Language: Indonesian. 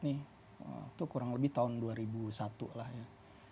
itu kurang lebih tahun dua ribu satu lah ya